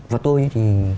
và tôi thì